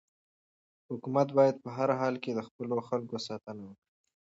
حکومت باید په هر حالت کې د خپلو خلکو ساتنه وکړي.